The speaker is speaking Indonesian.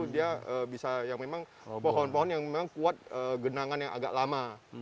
dia bisa yang memang pohon pohon yang memang kuat genangan yang agak lama